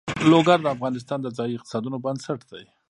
لوگر د افغانستان د ځایي اقتصادونو بنسټ دی.